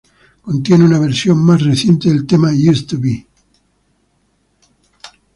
Contiene una versión más reciente del tema "Used to Be".